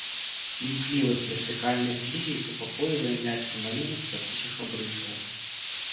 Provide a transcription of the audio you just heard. Імклівасць вертыкальных ліній супакойвае мяккі малюнак цякучых абрысаў.